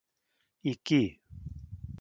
I qui